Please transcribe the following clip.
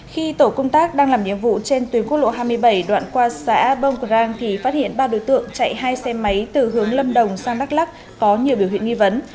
khi tổ công tác đang làm nhiệm vụ trên tuyến quốc lộ hai mươi bảy đoạn qua xã bông rang thì phát hiện ba đối tượng chạy hai xe máy từ hướng lâm đồng sang đắk lắc có nhiều biểu hiện nghi vấn